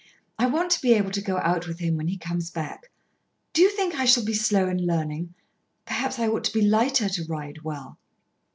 "I want to be able to go out with him when he comes back. Do you think I shall be slow in learning? Perhaps I ought to be lighter to ride well."